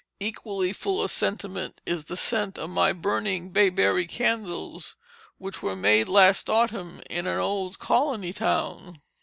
Equally full of sentiment is the scent of my burning bayberry candles, which were made last autumn in an old colony town.